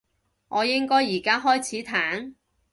我應該而家開始彈？